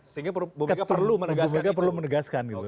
sehingga mereka perlu menegaskan gitu